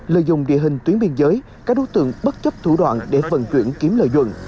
lợi dụng địa hình tuyến biên giới các đối tượng bất chấp thủ đoạn để vận chuyển kiếm lợi nhuận